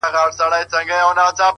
ستا د مخ د سپین کتاب پر هره پاڼه,